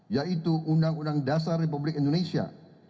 yaitu undang undang dasar republik indonesia seribu sembilan ratus empat puluh lima